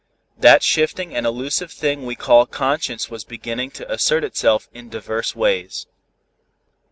That shifting and illusive thing we call conscience was beginning to assert itself in divers ways.